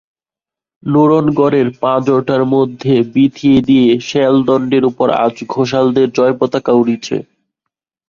নুরনগরের পাঁজরটার মধ্যে বিঁধিয়ে দিয়ে শেলদণ্ডের উপর আজ ঘোষালদের জয়পতাকা উড়েছে।